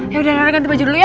yaudah nanti ganti baju dulu ya